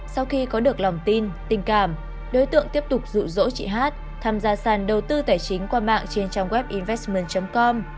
sau khi có được lòng tin tình cảm đối tượng tiếp tục dụ dỗ chị h tham gia sàn đầu tư tài chính qua mạng trên trang web investment com